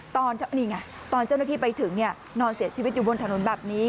ตอนนี้ไงตอนเจ้าหน้าที่ไปถึงนอนเสียชีวิตอยู่บนถนนแบบนี้